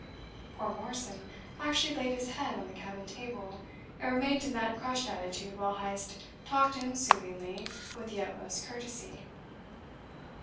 Poor Morrison actually laid his head on the cabin table, and remained in that crushed attitude while Heyst talked to him soothingly with the utmost courtesy.